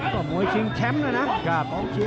ก็มวยชิงแคมป์และกรอบความชิง